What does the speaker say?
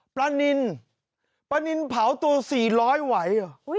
ปลานินปลานินเผาตัว๔๐๐ไหวเหรอ